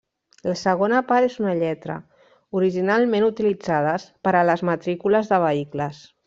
La segona part és una lletra, originalment utilitzades per a les matrícules de vehicles.